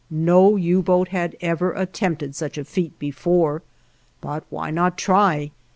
No U boat had ever attempted such a feat before, but why not try?